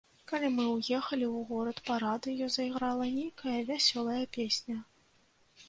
Калі мы ўехалі ў горад, па радыё зайграла нейкая вясёлая песня.